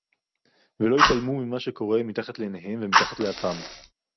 ולא יתעלמו ממה שקורה מתחת לעיניהם ומתחת לאפם